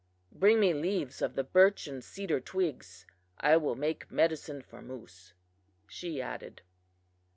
Bring me leaves of the birch and cedar twigs; I will make medicine for moose,' she added.